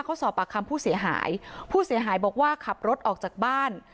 เขาสอบปากคำผู้เสียหายผู้เสียหายบอกว่าขับรถออกจากบ้าน